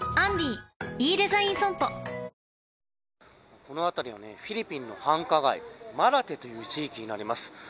この辺りはフィリピンの繁華街マラテという地域になります。